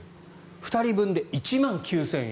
２人分で１万９０００円。